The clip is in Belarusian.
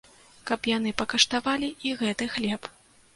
Каб яны пакаштавалі і гэты хлеб.